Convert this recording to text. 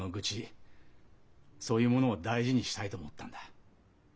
そういうものを大事にしたいと思ったんだ。